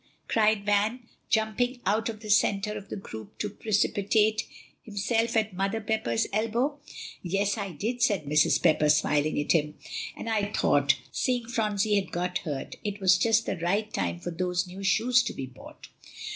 cried Van, jumping out from the centre of the group to precipitate himself at Mother Pepper's elbow. "Yes, I did," said Mrs. Pepper, smiling at him; "I thought, seeing Phronsie had got hurt, it was just the right time for those new shoes to be bought."